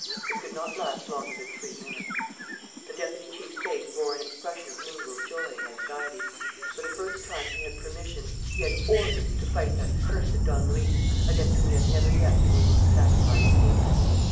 It could not last longer than three minutes. The deputy chief's face bore an expression of mingled joy and anxiety. For the first time he had permission, he had orders, to fight that accursed Don Luis, against whom he had never yet been able to satisfy his hatred.